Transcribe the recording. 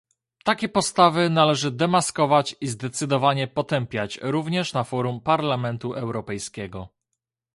Takie postawy należy demaskować i zdecydowanie potępiać również na forum Parlamentu Europejskiego